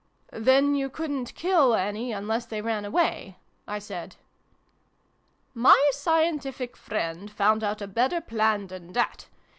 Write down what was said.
" Then you couldn't ' kill ' any, unless they ran away ?" I said. " My scientific friend found out a better plan than that.